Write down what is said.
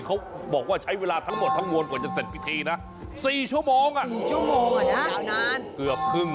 เขาบอกว่าใช้เวลาทั้งหมดทั้งวนกว่าจะเสร็จพิธีนะ๔ชั่วโมง